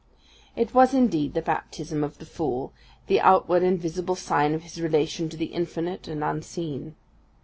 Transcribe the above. It was, indeed, the baptism of the fool, the outward and visible sign of his relation to the infinite and unseen.